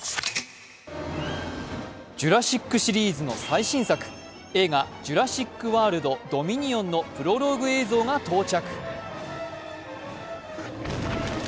「ジュラシック」シリーズの最新作映画「ジュラシック・ワールド／ドミニオン」のプロローグ映像が到着。